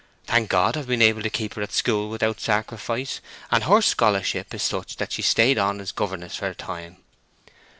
Thank God, I've been able to keep her at school without sacrifice; and her scholarship is such that she stayed on as governess for a time.